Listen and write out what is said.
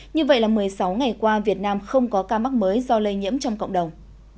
như vậy là một mươi sáu ngày qua việt nam không có ca mắc mới do lây nhiễm trong cộng đồng